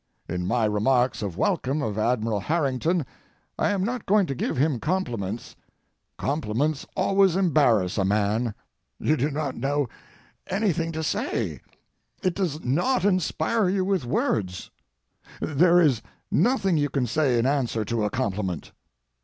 In my remarks of welcome of Admiral Harrington I am not going to give him compliments. Compliments always embarrass a man. You do not know anything to say. It does not inspire you with words. There is nothing you can say in answer to a compliment.